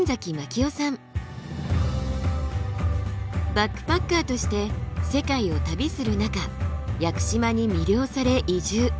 バックパッカーとして世界を旅する中屋久島に魅了され移住。